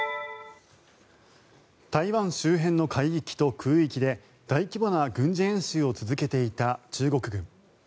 台湾周辺の海域と空域で大規模な軍事演習を続けていた中国軍。